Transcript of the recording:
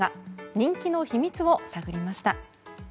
人気の秘密を探りました。